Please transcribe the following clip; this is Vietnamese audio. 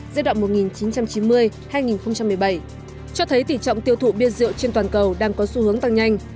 giai đoạn một nghìn chín trăm chín mươi hai nghìn một mươi bảy cho thấy tỷ trọng tiêu thụ bia rượu trên toàn cầu đang có xu hướng tăng nhanh